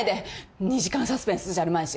２時間サスペンスじゃあるまいし。